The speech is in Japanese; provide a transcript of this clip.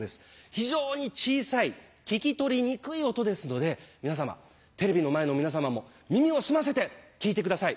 非常に小さい聞き取りにくい音ですので皆さまテレビの前の皆さまも耳を澄ませて聞いてください。